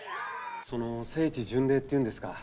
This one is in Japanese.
その聖地巡礼っていうんですか。